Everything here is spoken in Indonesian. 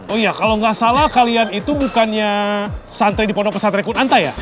oh iya kalau gak salah kalian itu bukannya santri di pondok pesantri kunanta ya